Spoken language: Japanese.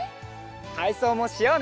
たいそうもしようね。